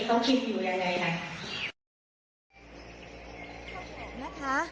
หอพ้องทิวนี้ล่ะค่ะ